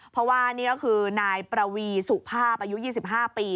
เพราะว่านี่ก็คือนายประวีสุภาพอายุ๒๕ปี